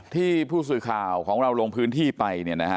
ที่ผู้สวยข่าวของเราลงพื้นที่ไปเนี่ยนะฮะ